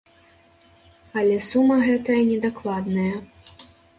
Але сума гэтая недакладная.